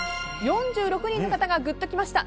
４６人の方がグッときました